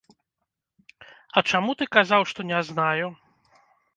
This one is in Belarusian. А чаму ты казаў, што не знаю?